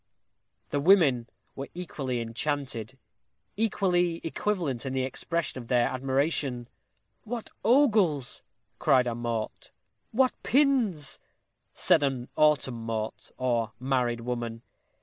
The women were equally enchanted equally eloquent in the expression of their admiration. "What ogles!" cried a mort. "What pins!" said an autem mort, or married woman.